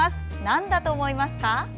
なんだと思いますか？